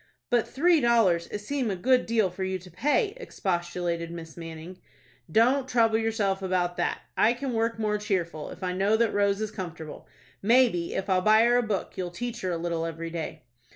"But three dollars seem a good deal for you to pay," expostulated Miss Manning. "Don't trouble yourself about that. I can work more cheerful, if I know that Rose is comfortable. Maybe, if I'll buy her a book, you'll teach her a little every day."